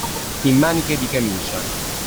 In maniche di camicia.